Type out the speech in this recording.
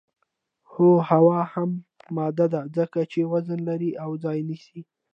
هو هوا هم ماده ده ځکه چې وزن لري او ځای نیسي